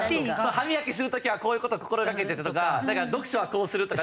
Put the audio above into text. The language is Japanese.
歯磨きする時はこういう事心掛けてるとか読書はこうするとか。